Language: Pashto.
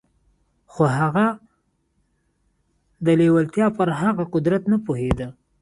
خو هغه د لېوالتیا پر هغه قدرت نه پوهېده.